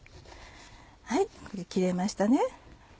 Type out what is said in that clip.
はいこれで切れましたね。